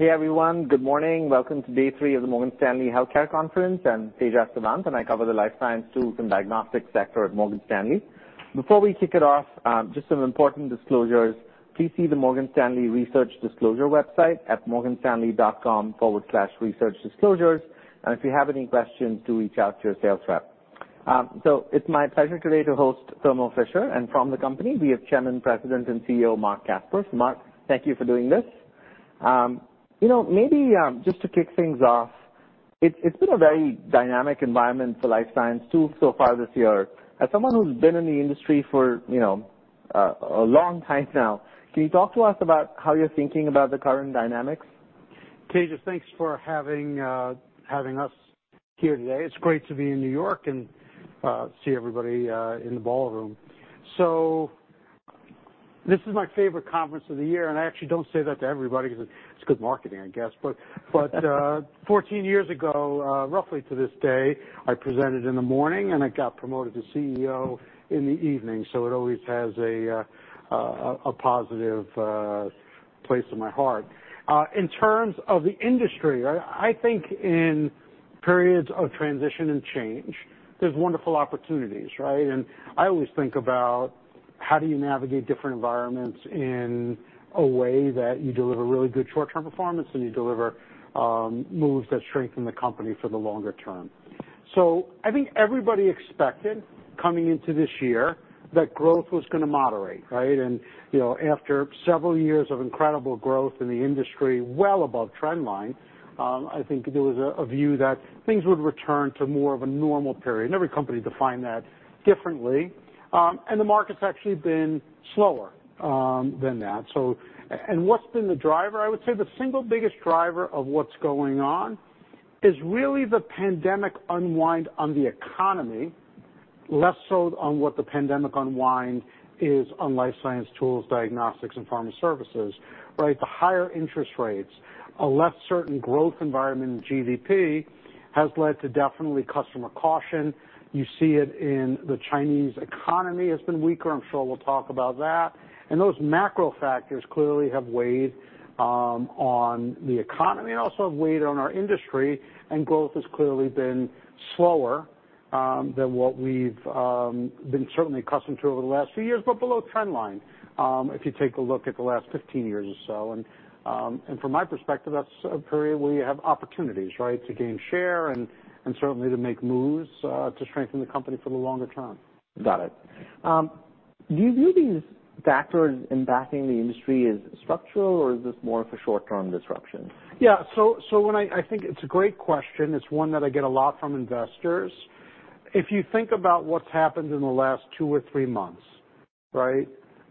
Hey, everyone. Good morning. Welcome to day three of the Morgan Stanley Healthcare Conference. I'm Tejas Savant, and I cover the life science tools and diagnostics sector at Morgan Stanley. Before we kick it off, just some important disclosures. Please see the Morgan Stanley Research Disclosure website at morganstanley.com/researchdisclosures, and if you have any questions, do reach out to your sales rep. So it's my pleasure today to host Thermo Fisher, and from the company, we have Chairman, President, and CEO, Marc Casper. Marc, thank you for doing this. You know, maybe just to kick things off, it's been a very dynamic environment for life science tools so far this year. As someone who's been in the industry for, you know, a long time now, can you talk to us about how you're thinking about the current dynamics? Tejas, thanks for having us here today. It's great to be in New York and see everybody in the ballroom. So this is my favorite conference of the year, and I actually don't say that to everybody because it's good marketing, I guess. But 14 years ago, roughly to this day, I presented in the morning, and I got promoted to CEO in the evening, so it always has a positive place in my heart. In terms of the industry, I think in periods of transition and change, there's wonderful opportunities, right? And I always think about how do you navigate different environments in a way that you deliver really good short-term performance, and you deliver moves that strengthen the company for the longer term. So I think everybody expected, coming into this year, that growth was gonna moderate, right? And, you know, after several years of incredible growth in the industry, well above trend line, I think there was a view that things would return to more of a normal period. And every company defined that differently. And the market's actually been slower than that, so... And what's been the driver? I would say the single biggest driver of what's going on is really the pandemic unwind on the economy, less so on what the pandemic unwind is on life science tools, diagnostics, and pharma services, right? The higher interest rates, a less certain growth environment in GDP, has led to definitely customer caution. You see it in the Chinese economy has been weaker, I'm sure we'll talk about that. Those macro factors clearly have weighed on the economy and also have weighed on our industry, and growth has clearly been slower than what we've been certainly accustomed to over the last few years, but below trend line, if you take a look at the last 15 years or so. And from my perspective, that's a period where you have opportunities, right, to gain share and certainly to make moves to strengthen the company for the longer term. Got it. Do you view these factors impacting the industry as structural, or is this more of a short-term disruption? Yeah, so when I think it's a great question. It's one that I get a lot from investors. If you think about what's happened in the last two or three months, right?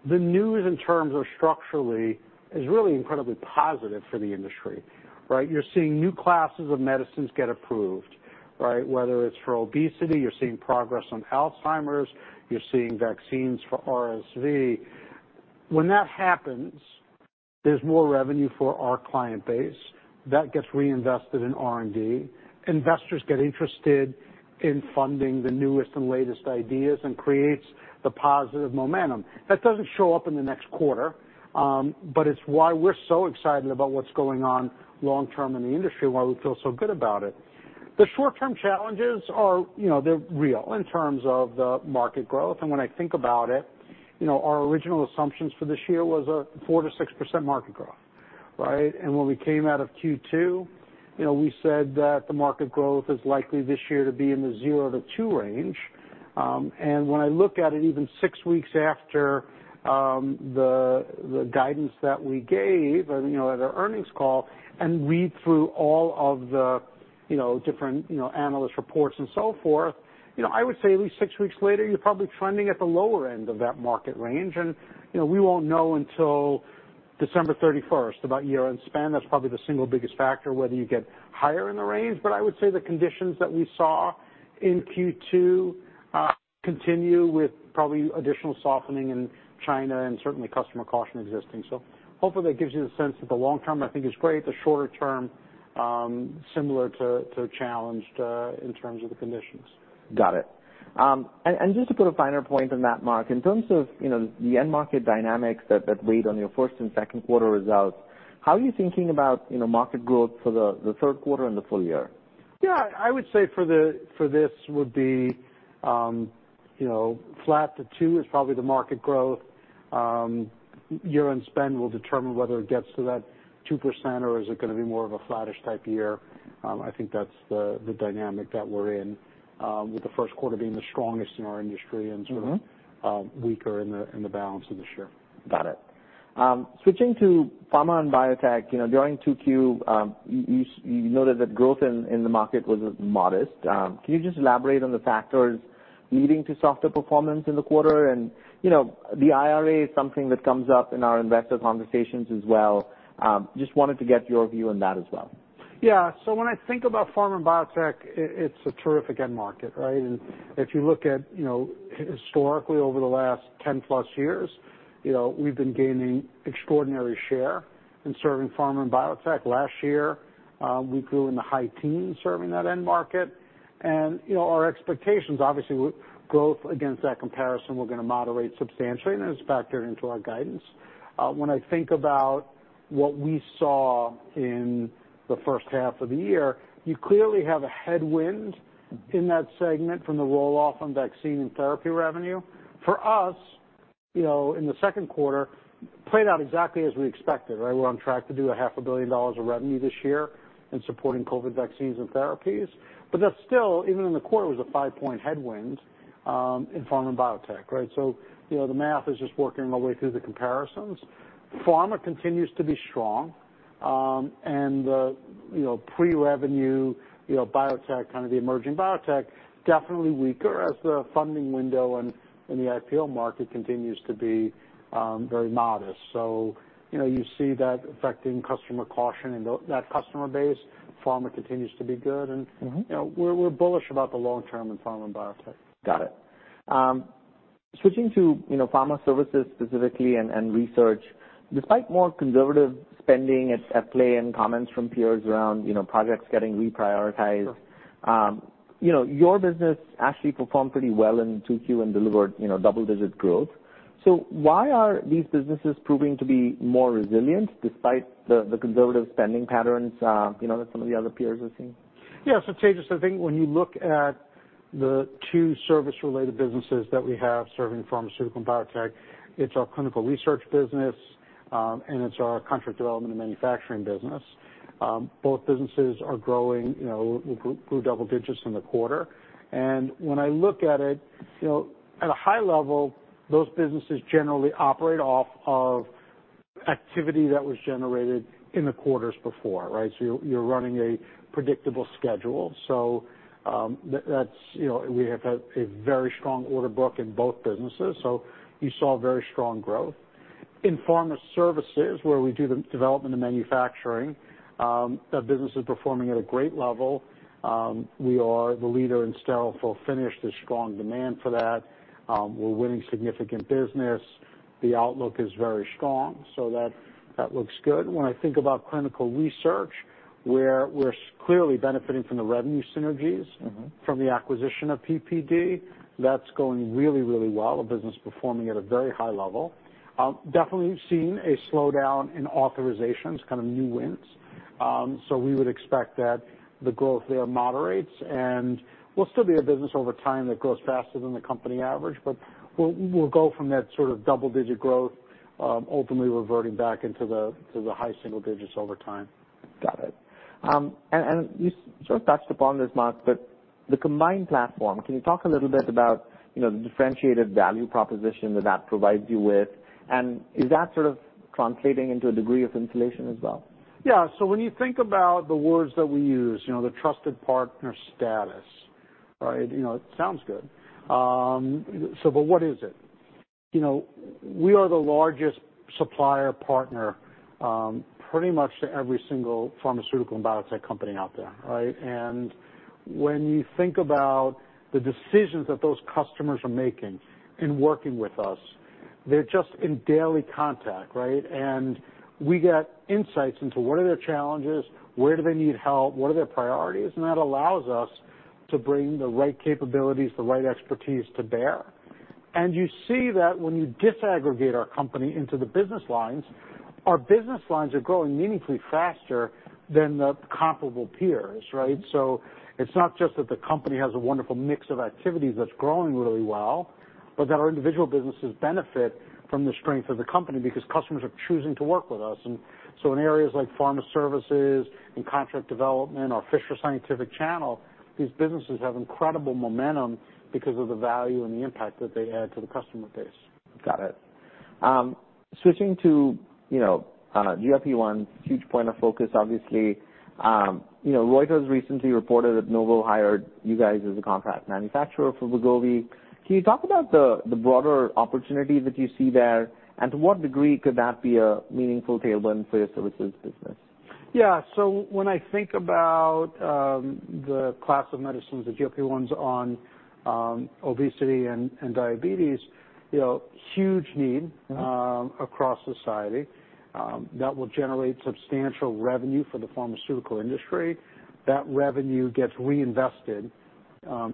The news in terms of structurally is really incredibly positive for the industry, right? You're seeing new classes of medicines get approved, right? Whether it's for obesity, you're seeing progress on Alzheimer's, you're seeing vaccines for RSV. When that happens, there's more revenue for our client base. That gets reinvested in R&D. Investors get interested in funding the newest and latest ideas and creates the positive momentum. That doesn't show up in the next quarter, but it's why we're so excited about what's going on long term in the industry and why we feel so good about it. The short-term challenges are, you know, they're real in terms of the market growth, and when I think about it, you know, our original assumptions for this year was a 4%-6% market growth, right? And when we came out of Q2, you know, we said that the market growth is likely this year to be in the 0%-2% range. And when I look at it, even six weeks after, the guidance that we gave and, you know, at our earnings call and read through all of the, you know, different, you know, analyst reports and so forth, you know, I would say at least six weeks later, you're probably trending at the lower end of that market range. And, you know, we won't know until December 31st, about year-end spend. That's probably the single biggest factor, whether you get higher in the range. But I would say the conditions that we saw in Q2 continue with probably additional softening in China and certainly customer caution existing. So hopefully, that gives you the sense that the long term I think is great, the shorter term similar to challenged in terms of the conditions. Got it. And just to put a finer point on that, Marc, in terms of, you know, the end market dynamics that weighed on your first and second quarter results, how are you thinking about, you know, market growth for the third quarter and the full year? Yeah, I would say for the for this would be, you know, flat to 2% is probably the market growth. Year-end spend will determine whether it gets to that 2% or is it gonna be more of a flattish type year. I think that's the, the dynamic that we're in, with the first quarter being the strongest in our industry. Mm-hmm. - and sort of weaker in the balance of this year. Got it. Switching to pharma and biotech, you know, during 2Q, you noted that growth in the market was modest. Can you just elaborate on the factors leading to softer performance in the quarter? You know, the IRA is something that comes up in our investor conversations as well. Just wanted to get your view on that as well. Yeah. So when I think about pharma and biotech, it's a terrific end market, right? And if you look at, you know, historically, over the last 10 plus years, you know, we've been gaining extraordinary share in serving pharma and biotech. Last year, we grew in the high teens serving that end market. And, you know, our expectations, obviously, growth against that comparison, we're gonna moderate substantially, and it's factored into our guidance. When I think about what we saw in the first half of the year, you clearly have a headwind in that segment from the roll-off on vaccine and therapy revenue. For us, you know, in the second quarter, played out exactly as we expected, right? We're on track to do $500 million of revenue this year in supporting COVID vaccines and therapies. But that's still, even in the quarter, it was a 5-point headwind in pharma and biotech, right? So, you know, the math is just working our way through the comparisons. Pharma continues to be strong, and the, you know, pre-revenue, you know, biotech, kind of the emerging biotech, definitely weaker as the funding window and the IPO market continues to be very modest. So, you know, you see that affecting customer caution in that customer base. Pharma continues to be good, and- Mm-hmm. You know, we're, we're bullish about the long term in pharma and biotech. Got it. Switching to, you know, pharma services specifically and research, despite more conservative spending at play and comments from peers around, you know, projects getting reprioritized- Sure. you know, your business actually performed pretty well in 2Q and delivered, you know, double-digit growth. So why are these businesses proving to be more resilient despite the conservative spending patterns, you know, that some of the other peers are seeing? Yeah, so Tejas, I think when you look at the two service-related businesses that we have serving pharmaceutical and biotech, it's our clinical research business, and it's our contract development and manufacturing business. Both businesses are growing, you know, we grew double digits in the quarter. And when I look at it, you know, at a high level, those businesses generally operate off of activity that was generated in the quarters before, right? So, that's, you know, we have had a very strong order book in both businesses, so you saw very strong growth. In pharma services, where we do the development and manufacturing, that business is performing at a great level. We are the leader in sterile fill-finish. There's strong demand for that. We're winning significant business. The outlook is very strong, so that looks good. When I think about clinical research, where we're clearly benefiting from the revenue synergies- Mm-hmm. From the acquisition of PPD, that's going really, really well. The business is performing at a very high level. Definitely seeing a slowdown in authorizations, kind of new wins. So we would expect that the growth there moderates, and will still be a business over time that grows faster than the company average, but we'll, we'll go from that sort of double-digit growth, ultimately reverting back into the, to the high single digits over time. Got it. And you sort of touched upon this, Marc, but the combined platform, can you talk a little bit about, you know, the differentiated value proposition that that provides you with? And is that sort of translating into a degree of insulation as well? Yeah. So when you think about the words that we use, you know, the trusted partner status, right? You know, it sounds good. So but what is it? You know, we are the largest supplier partner, pretty much to every single pharmaceutical and biotech company out there, right? And when you think about the decisions that those customers are making in working with us, they're just in daily contact, right? And we get insights into what are their challenges, where do they need help, what are their priorities, and that allows us to bring the right capabilities, the right expertise to bear. And you see that when you disaggregate our company into the business lines, our business lines are growing meaningfully faster than the comparable peers, right? It's not just that the company has a wonderful mix of activities that's growing really well, but that our individual businesses benefit from the strength of the company because customers are choosing to work with us. And so in areas like pharma services and contract development, our Fisher Scientific channel, these businesses have incredible momentum because of the value and the impact that they add to the customer base. Got it. Switching to, you know, GLP-1, huge point of focus, obviously. You know, Reuters recently reported that Novo hired you guys as a contract manufacturer for Wegovy. Can you talk about the broader opportunity that you see there, and to what degree could that be a meaningful tailwind for your services business? Yeah. So when I think about the class of medicines, the GLP-1s on obesity and diabetes, you know, huge need- Mm-hmm. Across society, that will generate substantial revenue for the pharmaceutical industry. That revenue gets reinvested,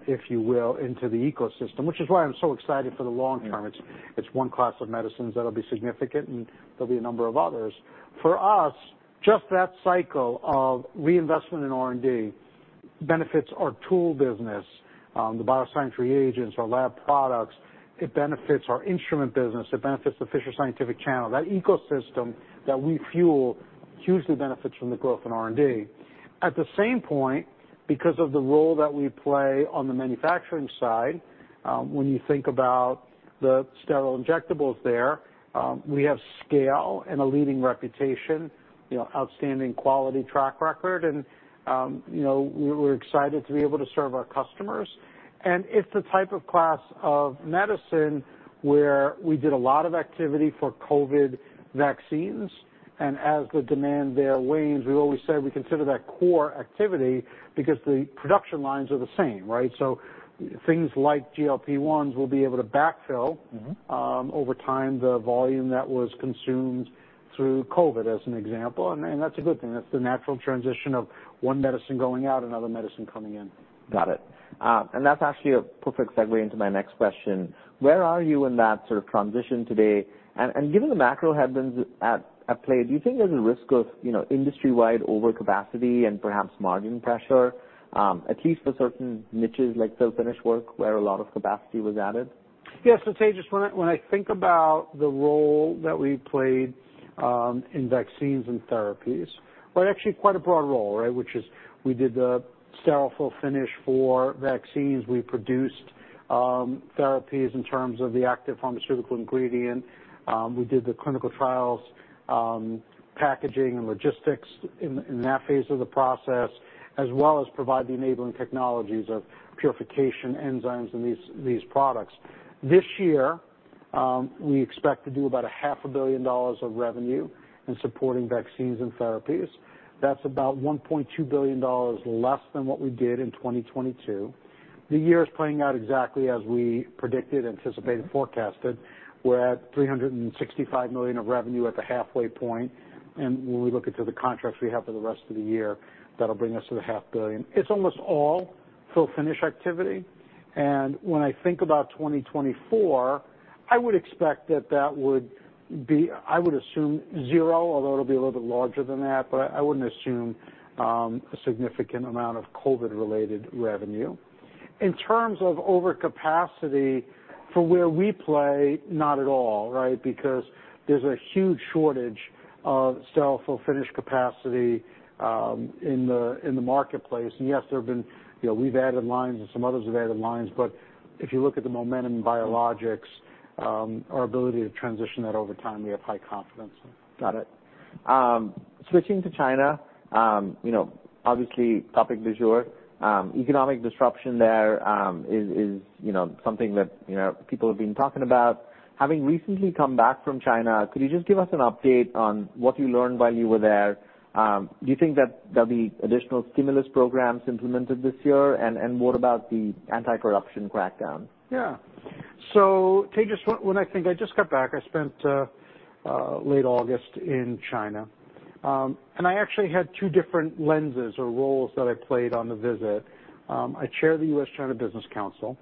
if you will, into the ecosystem, which is why I'm so excited for the long term. Yeah. It's one class of medicines that'll be significant, and there'll be a number of others. For us, just that cycle of reinvestment in R&D benefits our tool business, the bioscience reagents, our lab products. It benefits our instrument business. It benefits the Fisher Scientific channel. That ecosystem that we fuel hugely benefits from the growth in R&D. At the same point, because of the role that we play on the manufacturing side, when you think about the sterile injectables there, we have scale and a leading reputation, you know, outstanding quality track record, and, you know, we're excited to be able to serve our customers. It's the type of class of medicine where we did a lot of activity for COVID vaccines, and as the demand there wanes, we've always said we consider that core activity because the production lines are the same, right? Things like GLP-1s will be able to backfill over time, the volume that was consumed through COVID, as an example. And that's a good thing. That's the natural transition of one medicine going out, another medicine coming in. Got it. And that's actually a perfect segue into my next question: Where are you in that sort of transition today? And, given the macro headwinds at play, do you think there's a risk of, you know, industry-wide overcapacity and perhaps margin pressure, at least for certain niches, like fill-finish work, where a lot of capacity was added? Yes, so Tejas, when I think about the role that we played in vaccines and therapies, well, actually quite a broad role, right? Which is we did the sterile fill-finish for vaccines. We produced therapies in terms of the active pharmaceutical ingredient. We did the clinical trials, packaging and logistics in that phase of the process, as well as provide the enabling technologies of purification, enzymes, and these products. This year, we expect to do about $500 million of revenue in supporting vaccines and therapies. That's about $1.2 billion less than what we did in 2022. The year is playing out exactly as we predicted, anticipated, forecasted. We're at $365 million of revenue at the halfway point, and when we look into the contracts we have for the rest of the year, that'll bring us to the $500 million. It's almost all fill-finish activity, and when I think about 2024, I would expect that that would be, I would assume, zero, although it'll be a little bit larger than that, but I wouldn't assume a significant amount of COVID-related revenue. In terms of overcapacity for where we play, not at all, right? Because there's a huge shortage of sterile fill-finish capacity in the marketplace. And yes, there have been you know, we've added lines, and some others have added lines, but if you look at the momentum in biologics, our ability to transition that over time, we have high confidence. Got it. Switching to China, you know, obviously, topic du jour, economic disruption there is you know something that, you know, people have been talking about. Having recently come back from China, could you just give us an update on what you learned while you were there? Do you think that there'll be additional stimulus programs implemented this year? And what about the anti-corruption crackdown? Yeah. So Tejas, when I think, I just got back. I spent late August in China. And I actually had two different lenses or roles that I played on the visit. I chair the U.S.-China Business Council,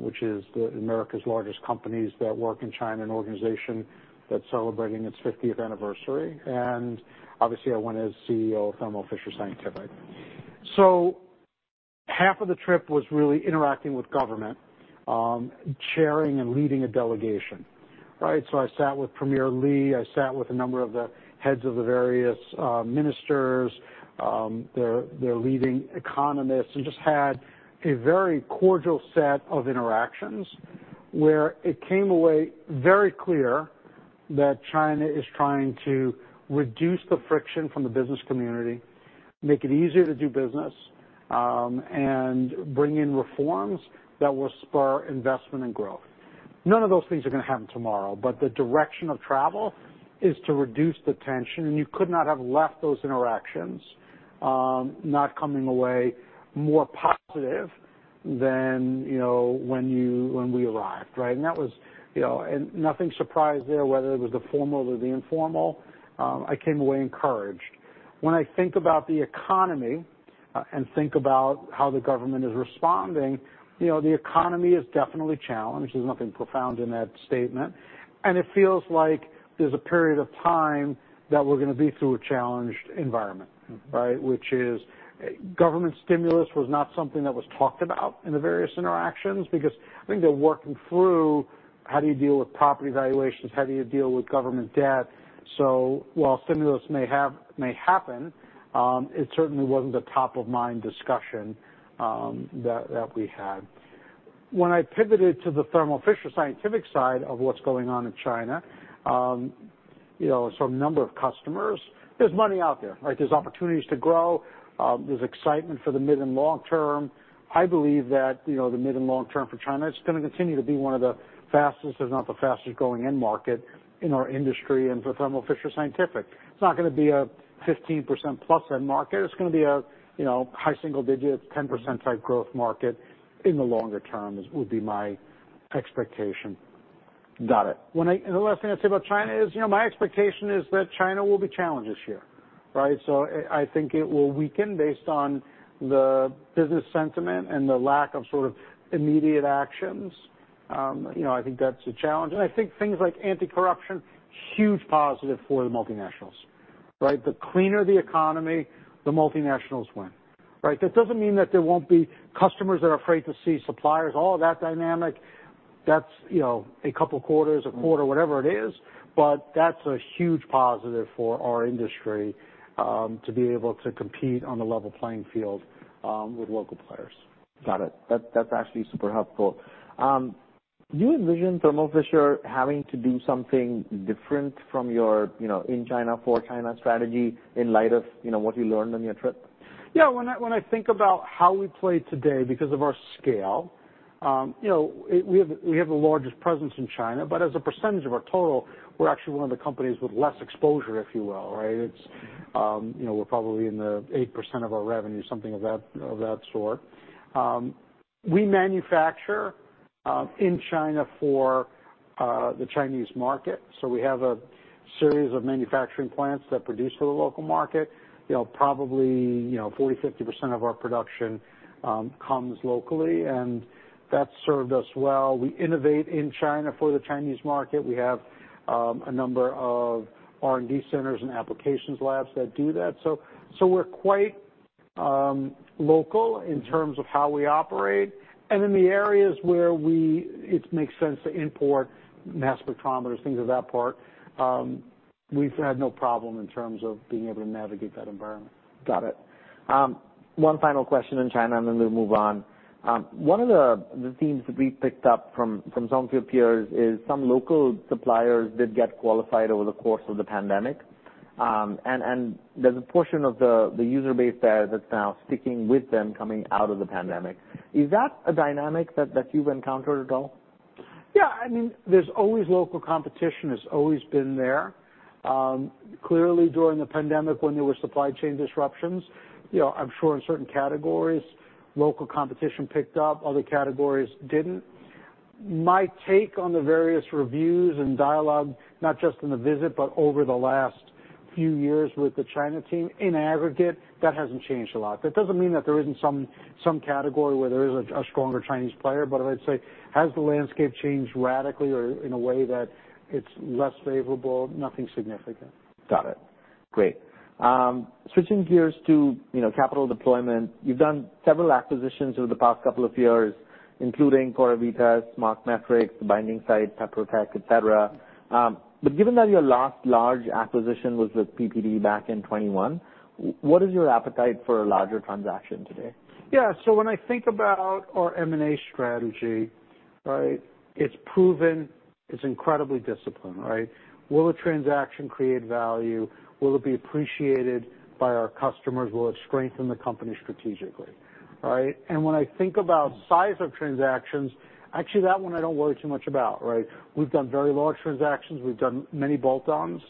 which is America's largest companies that work in China, an organization that's celebrating its fiftieth anniversary. And obviously, I went as CEO of Thermo Fisher Scientific. So half of the trip was really interacting with government, chairing and leading a delegation, right? So I sat with Premier Li, I sat with a number of the heads of the various ministers, their leading economists, and just had a very cordial set of interactions, where it came away very clear that China is trying to reduce the friction from the business community, make it easier to do business, and bring in reforms that will spur investment and growth. None of those things are going to happen tomorrow, but the direction of travel is to reduce the tension, and you could not have left those interactions not coming away more positive than, you know, when we arrived, right? And that was, you know. And nothing surprised there, whether it was the formal or the informal, I came away encouraged. When I think about the economy and think about how the government is responding, you know, the economy is definitely challenged. There's nothing profound in that statement. And it feels like there's a period of time that we're gonna be through a challenged environment, right? Which is, government stimulus was not something that was talked about in the various interactions because I think they're working through, how do you deal with property valuations? How do you deal with government debt? So while stimulus may happen, it certainly wasn't a top-of-mind discussion, that we had. When I pivoted to the Thermo Fisher Scientific side of what's going on in China, you know, so number of customers, there's money out there, right? There's opportunities to grow. There's excitement for the mid and long term. I believe that, you know, the mid and long term for China, it's gonna continue to be one of the fastest, if not the fastest growing end market in our industry and for Thermo Fisher Scientific. It's not gonna be a 15% plus end market. It's gonna be a, you know, high single digits, 10% type growth market in the longer term, is would be my expectation. Got it. And the last thing I'd say about China is, you know, my expectation is that China will be challenged this year, right? So I think it will weaken based on the business sentiment and the lack of sort of immediate actions. You know, I think that's a challenge. And I think things like anti-corruption, huge positive for the multinationals, right? The cleaner the economy, the multinationals win, right? That doesn't mean that there won't be customers that are afraid to see suppliers, all of that dynamic. That's, you know, a couple quarters, a quarter, whatever it is, but that's a huge positive for our industry, to be able to compete on a level playing field with local players. Got it. That, that's actually super helpful. Do you envision Thermo Fisher having to do something different from your, you know, in China for China strategy in light of, you know, what you learned on your trip? Yeah, when I, when I think about how we play today because of our scale, you know, we have, we have the largest presence in China, but as a percentage of our total, we're actually one of the companies with less exposure, if you will, right? It's, you know, we're probably in the 8% of our revenue, something of that, of that sort. We manufacture in China for the Chinese market, so we have a series of manufacturing plants that produce for the local market. You know, probably, you know, 40%-50% of our production comes locally, and that's served us well. We innovate in China for the Chinese market. We have a number of R&D centers and applications labs that do that. So, we're quite local in terms of how we operate, and in the areas where it makes sense to import mass spectrometers, things of that part, we've had no problem in terms of being able to navigate that environment. Got it. One final question on China, and then we'll move on. One of the themes that we picked up from some of your peers is some local suppliers did get qualified over the course of the pandemic. And there's a portion of the user base there that's now sticking with them coming out of the pandemic. Is that a dynamic that you've encountered at all? Yeah, I mean, there's always local competition. It's always been there. Clearly, during the pandemic, when there were supply chain disruptions, you know, I'm sure in certain categories, local competition picked up, other categories didn't. My take on the various reviews and dialogue, not just in the visit, but over the last few years with the China team, in aggregate, that hasn't changed a lot. That doesn't mean that there isn't some category where there is a stronger Chinese player, but I'd say, has the landscape changed radically or in a way that it's less favorable? Nothing significant. Got it. Great. Switching gears to, you know, capital deployment, you've done several acquisitions over the past couple of years, including Correvitas, MarqMetrix, Binding Site, PeproTech, et cetera. But given that your last large acquisition was with PPD back in 2021, what is your appetite for a larger transaction today? Yeah, so when I think about our M&A strategy, right, it's proven, it's incredibly disciplined, right? Will a transaction create value? Will it be appreciated by our customers? Will it strengthen the company strategically, right? And when I think about size of transactions, actually, that one I don't worry too much about, right? We've done very large transactions. We've done many bolt-ons.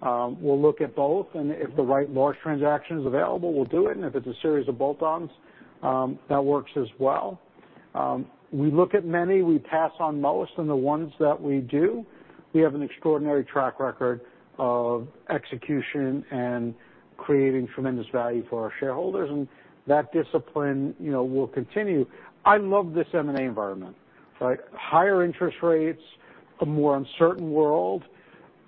We'll look at both, and if the right large transaction is available, we'll do it, and if it's a series of bolt-ons, that works as well. We look at many, we pass on most, and the ones that we do, we have an extraordinary track record of execution and creating tremendous value for our shareholders, and that discipline, you know, will continue. I love this M&A environment, right? Higher interest rates, a more uncertain world.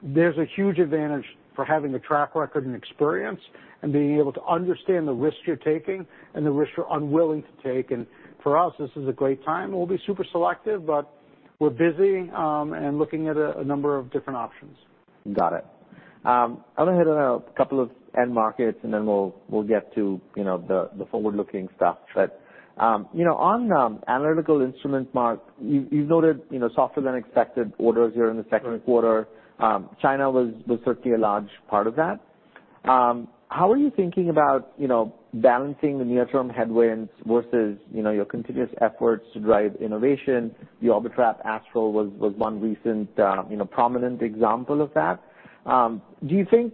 There's a huge advantage for having a track record and experience and being able to understand the risks you're taking and the risks you're unwilling to take, and for us, this is a great time. We'll be super selective, but we're busy, and looking at a number of different options. Got it. I'm gonna hit on a couple of end markets, and then we'll get to, you know, the forward-looking stuff. But, you know, on analytical instruments, Marc, you've noted, you know, softer than expected orders here in the second quarter. China was certainly a large part of that. How are you thinking about, you know, balancing the near-term headwinds versus, you know, your continuous efforts to drive innovation? The Orbitrap Astral was one recent, you know, prominent example of that. Do you think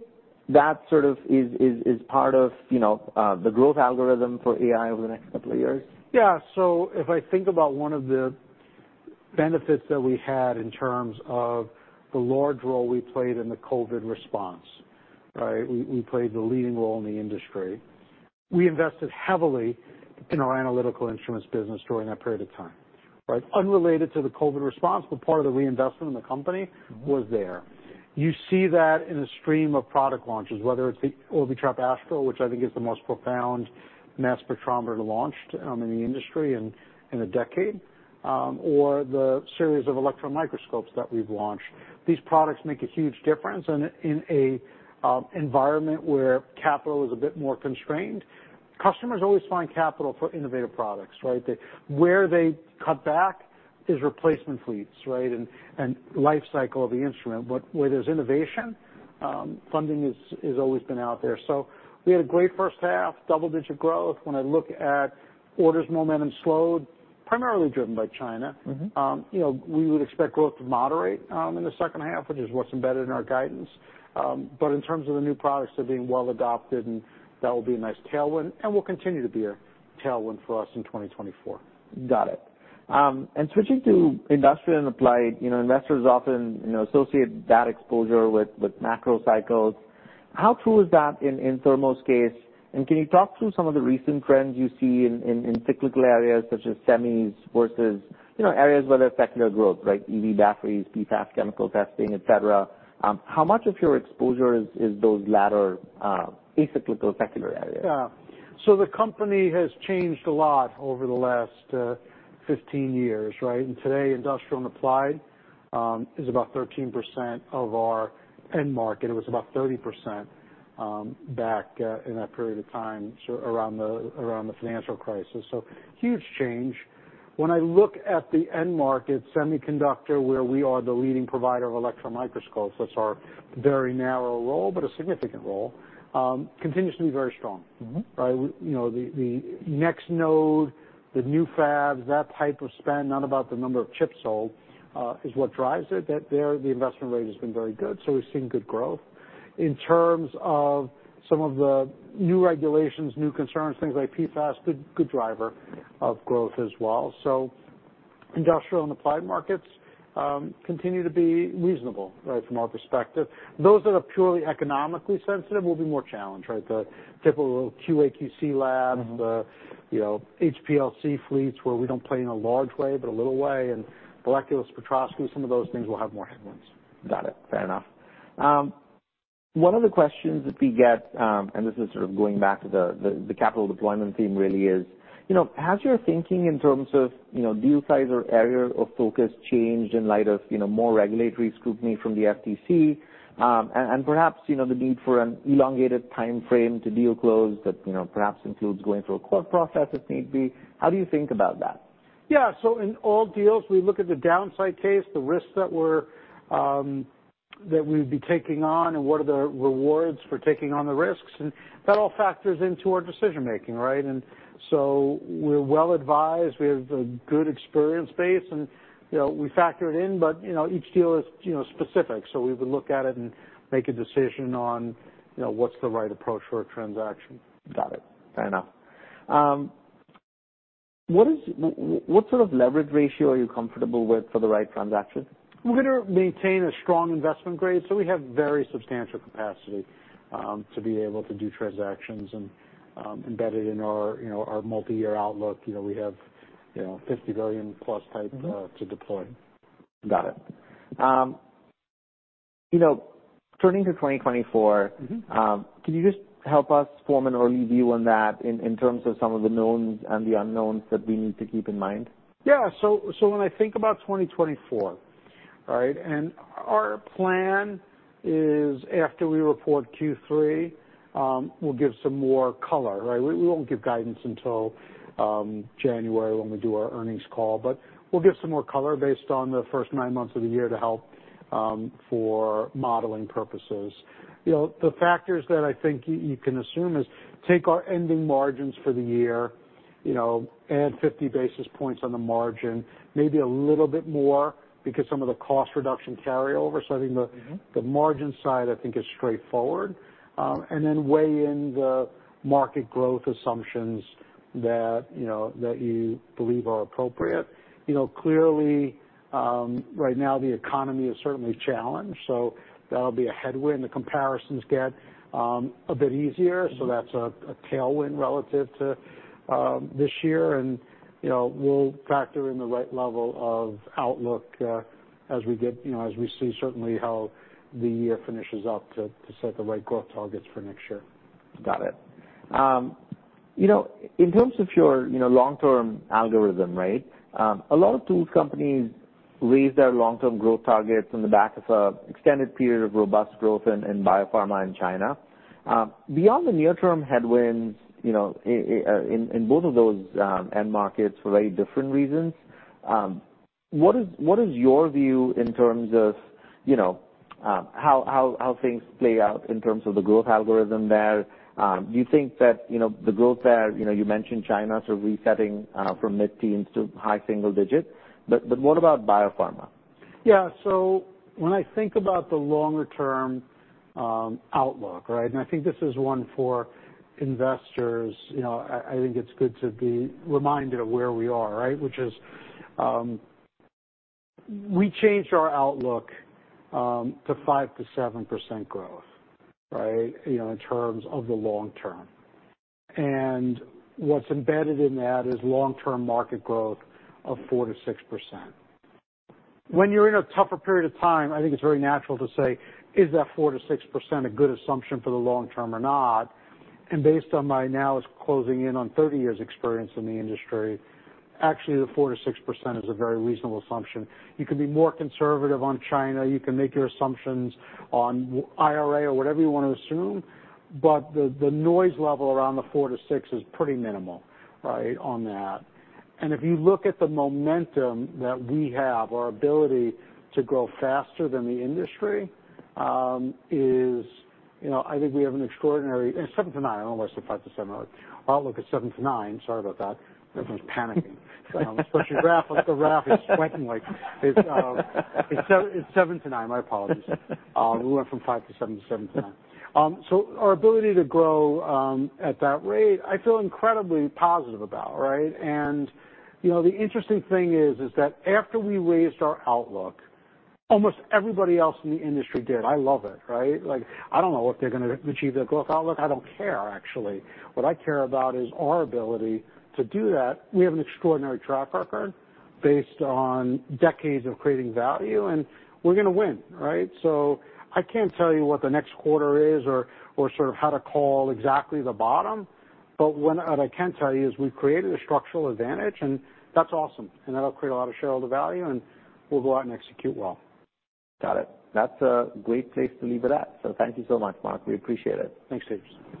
that sort of is part of, you know, the growth algorithm for AI over the next couple of years? Yeah, so if I think about one of the benefits that we had in terms of the large role we played in the COVID response, right? We played the leading role in the industry. We invested heavily in our analytical instruments business during that period of time, right? Unrelated to the COVID response, but part of the reinvestment in the company was there. You see that in a stream of product launches, whether it's the Orbitrap Astral, which I think is the most profound mass spectrometer launched in the industry in a decade, or the series of electron microscopes that we've launched. These products make a huge difference, and in an environment where capital is a bit more constrained, customers always find capital for innovative products, right? They, where they cut back is replacement fleets, right, and life cycle of the instrument. But where there's innovation, funding is, has always been out there. So we had a great first half, double-digit growth. When I look at orders, momentum slowed, primarily driven by China. Mm-hmm. You know, we would expect growth to moderate in the second half, which is what's embedded in our guidance. But in terms of the new products, they're being well adopted, and that will be a nice tailwind, and will continue to be a tailwind for us in 2024. Got it. And switching to industrial and applied, you know, investors often, you know, associate that exposure with macro cycles. How true is that in Thermo's case? And can you talk through some of the recent trends you see in cyclical areas such as semis versus, you know, areas where there's secular growth, right, EV batteries, PFAS, chemical testing, et cetera? How much of your exposure is those latter acyclical secular areas? Yeah. So the company has changed a lot over the last 15 years, right? And today, industrial and applied is about 13% of our end market. It was about 30%, back in that period of time, so around the financial crisis. So huge change. When I look at the end market, semiconductor, where we are the leading provider of electron microscopes, that's our very narrow role, but a significant role, continues to be very strong. Mm-hmm. Right? You know, the next node, the new fabs, that type of spend, not about the number of chips sold, is what drives it. That, the investment rate has been very good, so we've seen good growth. In terms of some of the new regulations, new concerns, things like PFAS, good, good driver of growth as well. So industrial and applied markets continue to be reasonable, right, from our perspective. Those that are purely economically sensitive will be more challenged, right? The typical QAQC Lab, you know, HPLC fleets, where we don't play in a large way, but a little way, and molecular spectroscopy, some of those things will have more headwinds. Got it. Fair enough. One of the questions that we get, and this is sort of going back to the, the capital deployment theme really is, you know, has your thinking in terms of, you know, deal size or area of focus changed in light of, you know, more regulatory scrutiny from the FTC? And, and perhaps, you know, the need for an elongated timeframe to deal close that, you know, perhaps includes going through a court process, if need be. How do you think about that? Yeah. So in all deals, we look at the downside case, the risks that we'd be taking on, and what are the rewards for taking on the risks, and that all factors into our decision-making, right? And so we're well advised. We have a good experience base, and, you know, we factor it in, but, you know, each deal is, you know, specific. So we would look at it and make a decision on, you know, what's the right approach for a transaction. Got it. Fair enough. What sort of leverage ratio are you comfortable with for the right transaction? We're gonna maintain a strong investment grade, so we have very substantial capacity to be able to do transactions and, embedded in our, you know, our multi-year outlook. You know, we have, you know, $50 billion-plus type to deploy. Got it. You know, turning to 2024- Mm-hmm. Can you just help us form an early view on that in terms of some of the knowns and the unknowns that we need to keep in mind? Yeah. So when I think about 2024, right, and our plan is after we report Q3, we'll give some more color, right? We won't give guidance until January, when we do our earnings call, but we'll give some more color based on the first nine months of the year to help for modeling purposes. You know, the factors that I think you can assume is, take our ending margins for the year, you know, add 50 basis points on the margin, maybe a little bit more because some of the cost reduction carryover. So I think the- Mm-hmm. -the margin side, I think, is straightforward. And then weigh in the market growth assumptions that, you know, that you believe are appropriate. You know, clearly, right now, the economy is certainly challenged, so that'll be a headwind. The comparisons get a bit easier. Mm-hmm. So that's a tailwind relative to this year, and, you know, we'll factor in the right level of outlook as we get, you know, as we see certainly how the year finishes up to set the right growth targets for next year. Got it. You know, in terms of your, you know, long-term algorithm, right? A lot of tools companies raised their long-term growth targets on the back of a extended period of robust growth in biopharma in China. Beyond the near term headwinds, you know, in both of those end markets for very different reasons, what is your view in terms of, you know, how things play out in terms of the growth algorithm there? Do you think that, you know, the growth there, you know, you mentioned China, sort of resetting from mid-teens to high single digits. But what about biopharma? Yeah. So when I think about the longer term outlook, right, and I think this is one for investors, you know, I, I think it's good to be reminded of where we are, right? Which is, we changed our outlook to 5%-7% growth, right, you know, in terms of the long term. And what's embedded in that is long-term market growth of 4%-6%. When you're in a tougher period of time, I think it's very natural to say: Is that 4%-6% a good assumption for the long term or not? And based on my now, it's closing in on 30 years experience in the industry, actually, the 4%-6% is a very reasonable assumption. You can be more conservative on China. You can make your assumptions on IRA or whatever you want to assume, but the noise level around the 4-6 is pretty minimal, right, on that. And if you look at the momentum that we have, our ability to grow faster than the industry... You know, I think we have an extraordinary- It's 7-9, almost a 5-7. Our outlook is 7-9. Sorry about that. Everyone's panicking. Especially Ralph. Look, Ralph is sweating like... It's, it's 7-9. My apologies. We went from 5-7 to 7-9. So our ability to grow, at that rate, I feel incredibly positive about, right? And, you know, the interesting thing is, is that after we raised our outlook, almost everybody else in the industry did. I love it, right? Like, I don't know if they're gonna achieve their growth outlook. I don't care, actually. What I care about is our ability to do that. We have an extraordinary track record based on decades of creating value, and we're gonna win, right? So I can't tell you what the next quarter is or, or sort of how to call exactly the bottom, but what I can tell you is we've created a structural advantage, and that's awesome. That'll create a lot of shareholder value, and we'll go out and execute well. Got it. That's a great place to leave it at. So thank you so much, Mark. We appreciate it. Thanks, Tejas.